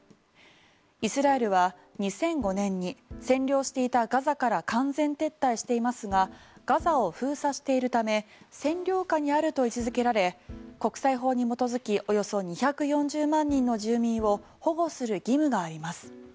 イスラエルは２００５年に占領していたガザから完全撤退していますがガザを封鎖しているため占領下にあると位置付けられ国際法に基づきおよそ２４０万人の住民を保護する義務があります。